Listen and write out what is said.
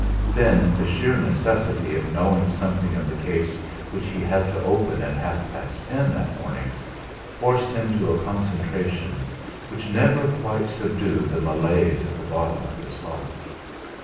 Then the sheer necessity of knowing something of the case which he had to open at half past ten that morning forced him to a concentration which never quite subdued the malaise at the bottom of his heart.